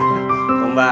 aku udah mencintai kamu